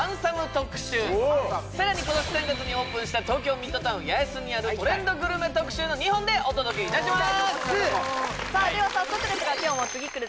特集さらに今年３月にオープンした東京ミッドタウン八重洲にあるトレンドグルメ特集の２本でお届けいたしますでは早速ですが今日も次くる！